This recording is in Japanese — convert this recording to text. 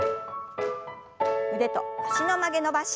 腕と脚の曲げ伸ばし。